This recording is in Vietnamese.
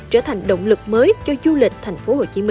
trở thành động lực mới cho du lịch tp hcm